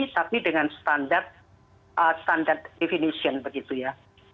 tapi dengan standar definition begitu ya